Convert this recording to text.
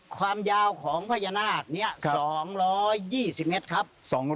ความยาวของพญานาคนี้๒๒๐เมตรครับ